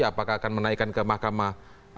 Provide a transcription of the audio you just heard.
apakah akan menaikkan ke mahkamah